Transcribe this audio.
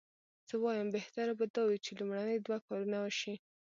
زه وایم بهتره به دا وي چې لومړني دوه کارونه وشي.